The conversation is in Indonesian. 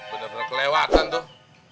bener bener kelewatan tuh